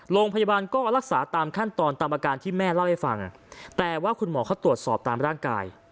โรงพยาบาลก็รักษาตามขั้นตอนตามอาการที่แม่เล่าให้ฟังแต่ว่าคุณหมอเขาตรวจสอบตามร่างกาย